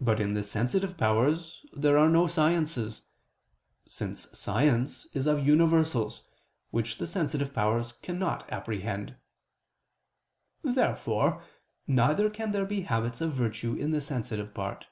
But in the sensitive powers there are no sciences: since science is of universals, which the sensitive powers cannot apprehend. Therefore, neither can there be habits of virtue in the sensitive part.